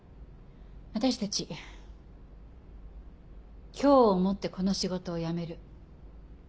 私たち今日をもってこの仕事を辞める。